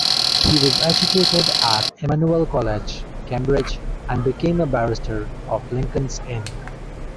He was educated at Emmanuel College, Cambridge, and became a barrister of Lincoln's Inn.